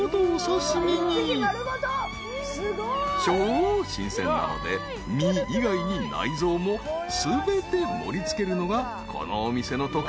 ［超新鮮なので身以外に内臓も全て盛り付けるのがこのお店の特徴］